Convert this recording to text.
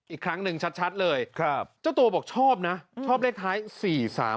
อีกครั้งหนึ่งชัดเลยครับเจ้าตัวบอกชอบนะชอบเลขท้ายสี่สาม